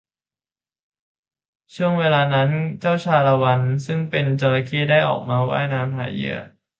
ช่วงเวลานั้นเจ้าชาละวัน ซึ่งเป็นจระเข้ได้ออกมาว่ายน้ำหาเหยื่อ